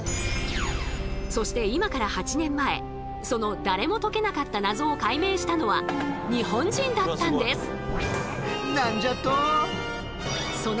そして今から８年前その誰も解けなかった謎を解明したのは日本人だったんです。